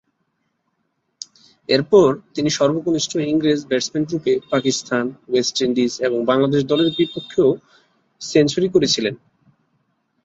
এরপর তিনি সর্বকনিষ্ঠ ইংরেজ ব্যাটসম্যানরূপে পাকিস্তান, ওয়েস্ট ইন্ডিজ এবং বাংলাদেশ দলের বিপক্ষেও সেঞ্চুরি করেছিলেন।